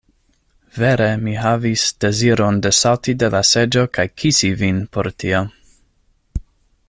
Vere mi havis deziron desalti de la seĝo kaj kisi vin por tio!